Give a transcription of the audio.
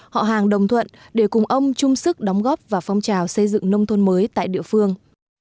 họ hàng đồng thuận để cùng ông chung sức đóng góp vào phong trào xây dựng nông thôn mới tại địa phương